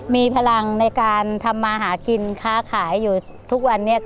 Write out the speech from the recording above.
มีพลังในการทำมาหากินค้าขายอยู่ทุกวันนี้